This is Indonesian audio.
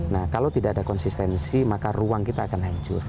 nah kalau tidak ada konsistensi maka ruang kita akan hancur